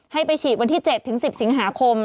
ให้ไปฉีดวันที่๗๑๐สิงหาคม